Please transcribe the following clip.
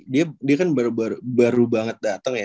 dia kan baru banget datang ya